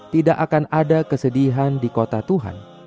tidak akan ada kesedihan di kota tuhan